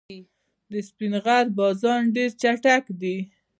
د سپین غر بازان ډېر چټک دي.